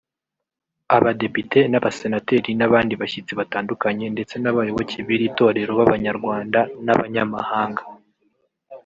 abadepite n’abasenateri n’abandi bashyitsi batandukanye ndetse n’abayoboke b’iri torero b’Abanyarwanda n’abanyamahanga